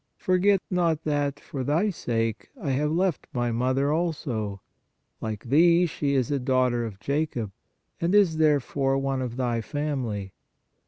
Forget not that, for thy sake, I have left my mother also; like thee, she is a daughter of Jacob, and is, therefore, one of thy family.